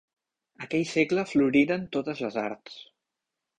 Aquell segle floriren totes les arts.